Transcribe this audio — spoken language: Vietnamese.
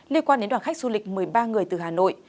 liên quan đến đoàn khách du lịch một mươi ba người từ hà nội